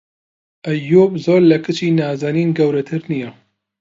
ئەییووب زۆر لە کچی نازەنین گەورەتر نییە.